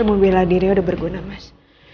rembubila diri udah berguna mas